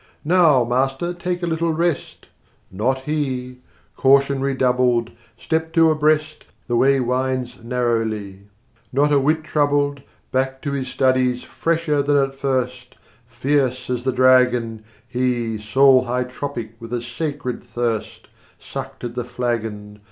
"Now, master, take a little rest!" not he! (Caution redoubled, 90 Step two abreast, the way winds narrowly!) Not a whit troubled Back to his studies, fresher than at first, Fierce as a dragon He (soul hydroptic with a sacred thirst) Sucked at the flagon.